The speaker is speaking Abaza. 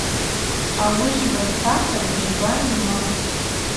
Ауи жвгӏвацата быжьба йымапӏ.